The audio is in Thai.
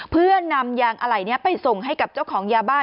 เพื่อนำยางอะไหล่นี้ไปส่งให้กับเจ้าของยาบ้า